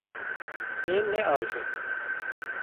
Te neajot.